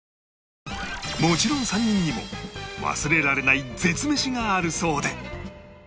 もちろん３人にも忘れられない絶メシがあるそうで